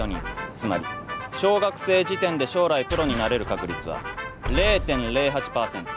つまり小学生時点で将来プロになれる確率は０．０８％。